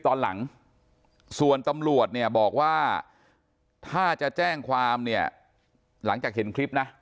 ตอนหลังส่วนตำรวจเนี่ยบอกว่าถ้าจะแจ้งความเนี่ยหลังจากเห็นคลิปนะ